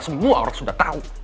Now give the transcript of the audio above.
semua orang sudah tahu